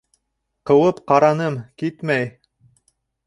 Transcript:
Ҡыуып ҡараным, китмәй.